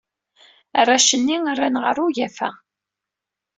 Arrac-nni rran ɣer ugafa.